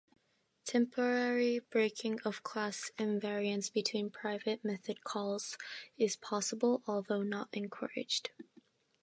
Temporary breaking of class invariance between private method calls is possible, although not encouraged.